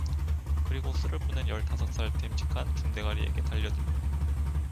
그리고 술을 붓는 열다섯 살 됨직한 중대가리에게로 달려들며